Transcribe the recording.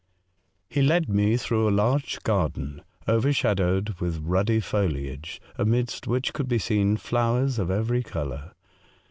HE led me through a large garden, over shadowed with ruddy foliage, amidst which could be seen flowers of every colour.